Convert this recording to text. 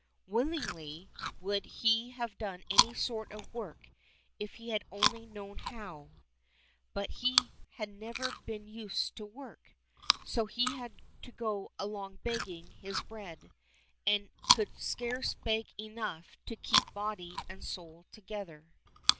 Willingly would he have done any sort of work if he had only known how, but he had never been used to work, so he had to go along begging his bread, and could scarce beg enough to keep body and soul together.